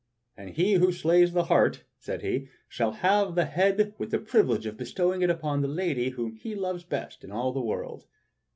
"And he who slays the hart," said he, "shall have the head with the privilege of bestowing it upon the lady whom he loves best in all the world."